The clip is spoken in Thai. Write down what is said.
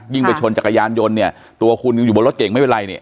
ไปชนจักรยานยนต์เนี่ยตัวคุณยังอยู่บนรถเก่งไม่เป็นไรเนี่ย